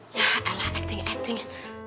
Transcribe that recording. yah ella akting akting